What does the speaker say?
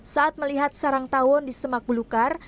saat melihat serang tawon di semak bulukar